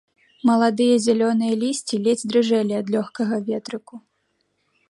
Маладыя зялёныя лісці ледзь дрыжэлі ад лёгкага ветрыку.